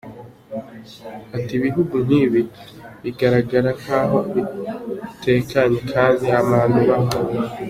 Ati “ Ibihugu nk’ibi bigaragara nk’aho bitekanye kandi abantu bahunga.”